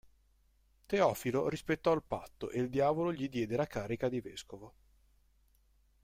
Teofilo rispettò il patto e il diavolo gli diede la carica di vescovo.